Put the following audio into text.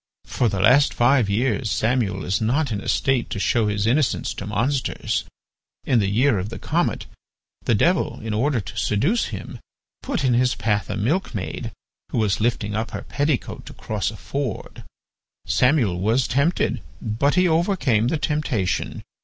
For the last five years Samuel is not in a state to show his innocence to monsters. In the year of the comet, the Devil in order to seduce him, put in his path a milkmaid, who was lifting up her petticoat to cross a ford. Samuel was tempted, but he overcame the temptation.